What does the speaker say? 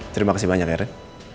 terima kasih banyak ya ren